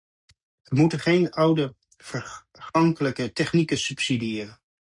We moeten geen oude vergankelijke technieken subsidiëren.